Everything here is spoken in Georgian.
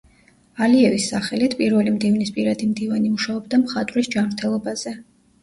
ალიევის სახელით, პირველი მდივნის პირადი მდივანი მუშაობდა მხატვრის ჯანმრთელობაზე.